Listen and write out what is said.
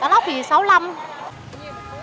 cá lóc thì sáu mươi năm đồng một kg